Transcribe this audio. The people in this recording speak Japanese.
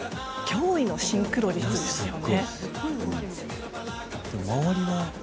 驚異のシンクロ率ですよね。